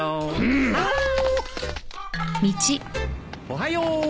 おはよう！